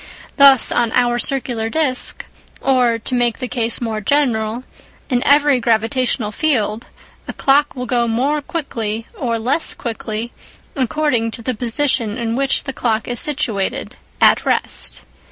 Thus on our circular disc, or, to make the case more general, in every gravitational field, a clock will go more quickly or less quickly, according to the position in which the clock is situated (at rest).